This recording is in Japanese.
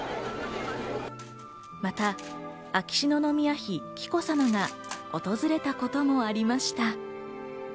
また、秋篠宮妃紀子さまが訪れたこともありました。